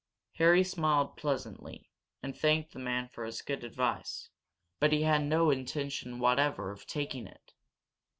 Harry smiled pleasantly, and thanked the man for his good advice. But he had no intention whatever of taking it.